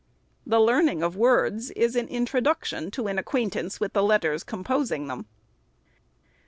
The learning of words is an introduction to an acquaintance with the letters com posing them.